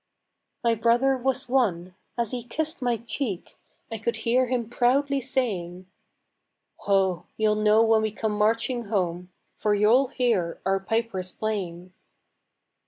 My brother was one. As he kissed my cheek, I could hear him proudly saying: "Ho! you'll know when we come marching home, For you'll hear our pipers playing."